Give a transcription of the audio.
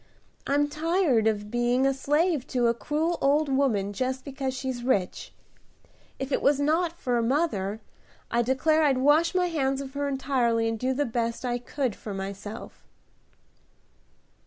I'm tired of being a slave to a cruel old woman just because she's rich. If it was not for mother, I declare I'd wash my hands of her entirely, and do the best I could for myself."